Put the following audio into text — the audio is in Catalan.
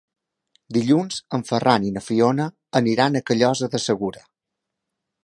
Dilluns en Ferran i na Fiona aniran a Callosa de Segura.